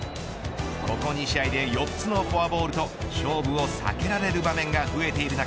ここ２試合で４つのフォアボールと勝負を避けられる場面が増えている中